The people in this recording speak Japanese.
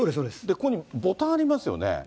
ここにボタンありますよね。